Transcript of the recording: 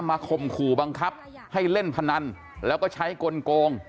ข่มขู่บังคับให้เล่นพนันแล้วก็ใช้กลง